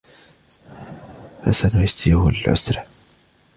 فسنيسره للعسرى